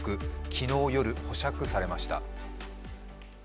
昨日夜、保釈されました。